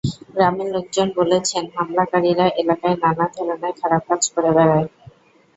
গ্রামের লোকজন বলেছেন, হামলাকারীরা এলাকায় নানা ধরনের খারাপ কাজ করে বেড়ায়।